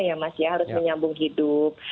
ya mas ya harus menyambung hidup